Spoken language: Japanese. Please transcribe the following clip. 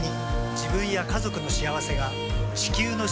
自分や家族の幸せが地球の幸せにつながっている。